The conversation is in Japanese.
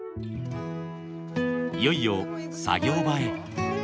いよいよ作業場へ。